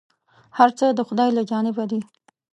هر څه د خداى له جانبه دي ،